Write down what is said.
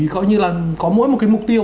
gọi như là có mỗi một cái mục tiêu